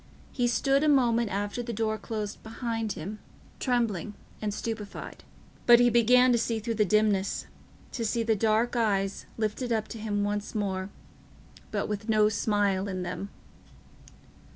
He stood a moment after the door closed behind him, trembling and stupefied. But he began to see through the dimness—to see the dark eyes lifted up to him once more, but with no smile in them.